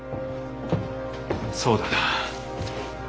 そうだな。